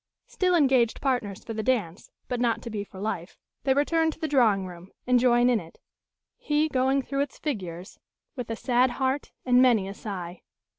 Still engaged partners for the dance, but not to be for life, they return to the drawing room, and join in it; he going through its figures with a sad heart and many a sigh.